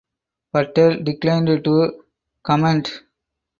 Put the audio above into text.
Patel declined to comment.